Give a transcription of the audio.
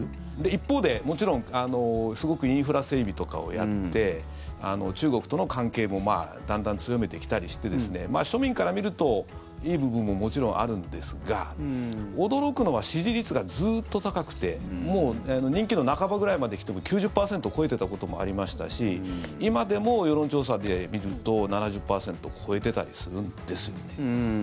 一方で、もちろんすごくインフラ整備とかをやって中国との関係もだんだん強めてきたりして庶民から見ると、いい部分ももちろんあるんですが驚くのは支持率がずっと高くてもう任期の半ばぐらいまで来ても９０％超えてたこともありましたし今でも世論調査で見ると７０％超えてたりするんですよね。